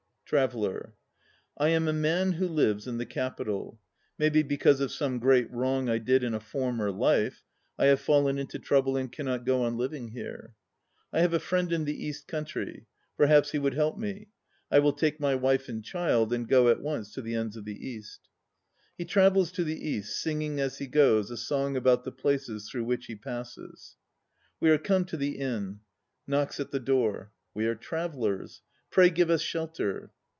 TRAVELLER. I am a man who lives in the Capital. Maybe because of some great wrong I did in a former life ... I have fallen into trouble and cannot go on living here. I have a friend in the East country. Perhaps he would help me. I will take my wife and child and go at once to the ends of the East. (He travels to the East, singing as he goes a song about the places through which he passes.) We are come to the Inn. (Knocks at the door.) We are travellers. Pray give us shelter.